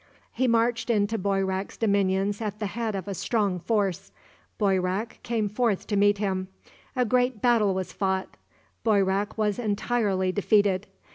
He marched into Boyrak's dominions at the head of a strong force. Boyrak came forth to meet him. A great battle was fought. Boyrak was entirely defeated.